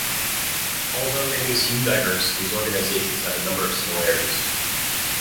Although they may seem diverse, these organizations have a number of similarities.